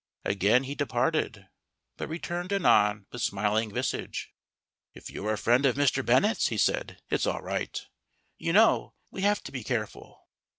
Again he departed, but returned anon with smiling visage. "If you're a friend of Mr. Bennett's," he said, "it's all right. You know, we have to be careful."